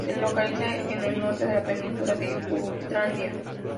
Se localiza en el norte de la península de Jutlandia.